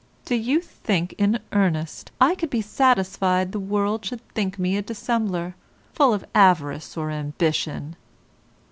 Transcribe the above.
Do you think, in earnest, I could be satisfied the world should think me a dissembler, full of avarice or ambition?